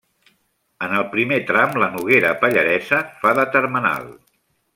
En el primer tram, la Noguera Pallaresa fa de termenal.